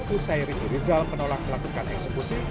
usairi irizal menolak melakukan eksekusi